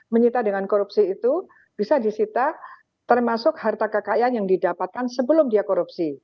menyita dengan korupsi itu bisa disita termasuk harta kekayaan yang didapatkan sebelum dia korupsi